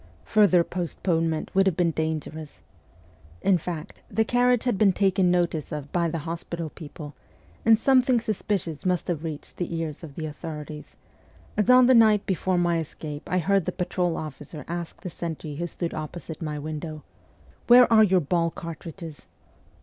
Further postponement would have been dangerous. In fact, the carriage had been taken notice of by the hospital people, and something suspicious must have reached the ears of the authorities, as on the night before my escape I heard the patrol officer ask the sentry who stood opposite my window, ' Where are your ball cartridges